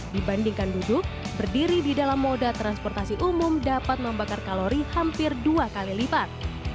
dibandingkan duduk berdiri di dalam moda transportasi umum dapat membakar kalori hampir dua kali lipat